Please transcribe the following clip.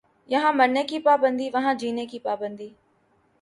یہاں مرنے کی پابندی وہاں جینے کی پابندی